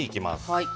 はい。